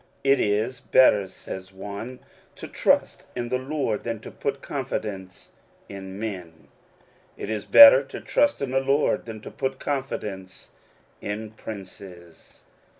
"It is better, says one, " to trust in the Lord than to put confidence in men. It is better to trust in the Lord than to put confidence in princes.